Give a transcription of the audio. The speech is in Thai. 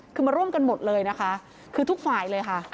คือมาร่วมกันหมดเลยนะคะคือทุกฝ่ายเลยค่ะ